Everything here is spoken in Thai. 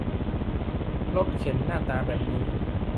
รถเข็นหน้าตาแบบนี้